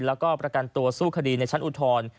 แล้วก็ประกันตัวสู้คดีในชั้นอุทธรณ์